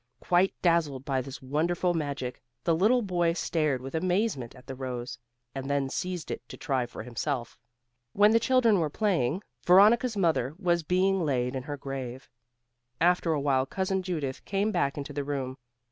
Quite dazzled by this wonderful magic the little boy stared with amazement at the rose, and then seized it to try for himself. While the children were playing, Veronica's mother was being laid in her grave. After awhile Cousin Judith came back into the room.